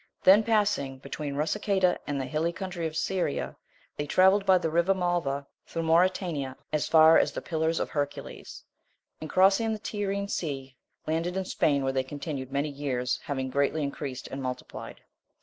Then passing between Rusicada and the hilly country of Syria, they travelled by the river Malva through Mauritania as far as the Pillars of Hercules; and crossing the Tyrrhene Sea, landed in Spain, where they continued many years, having greatly increased and multiplied.